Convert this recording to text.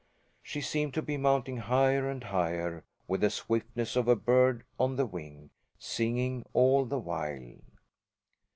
She seemed to be mounting higher and higher, with the swiftness of a bird on the wing, singing all the while.